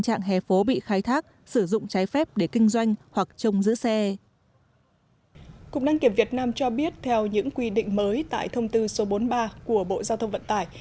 cộng đồng kiếm việt nam cho biết theo những quy định mới tại thông tư số bốn mươi ba của bộ giao thông vận tải